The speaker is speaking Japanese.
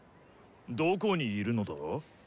どこにいるのだ？